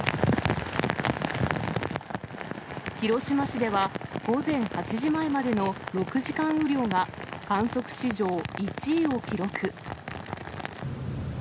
広島市では、午前８時前までの６時間雨量が、観測史上１位を記録。